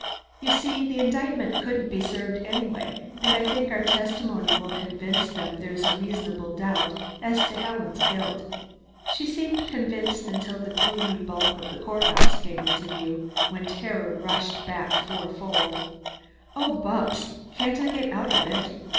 You see, the indictment couldn't be served anyway, and I think our testimony will convince them there's a reasonable doubt as to Helen's guilt." She seemed convinced until the gloomy bulk of the court house came in view, when terror rushed back fourfold. "Oh, Bupps, can't I get out of it?"